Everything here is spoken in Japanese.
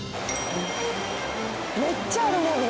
めっちゃあるもんね。